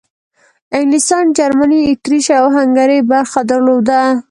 انګلستان، جرمني، اطریش او هنګري برخه درلوده.